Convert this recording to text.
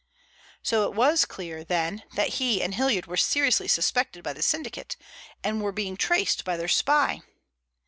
So it was clear, then, that he and Hilliard were seriously suspected by the syndicate and were being traced by their spy!